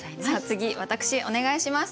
次私お願いします。